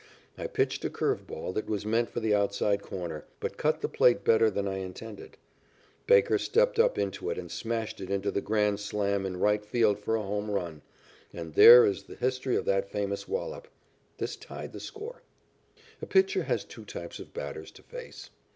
I pitched a curve ball that was meant for the outside corner, but cut the plate better than I intended. Baker stepped up into it and smashed it into the grand stand in right field for a home run, and there is the history of that famous wallop. This tied the score. A pitcher has two types of batters to face.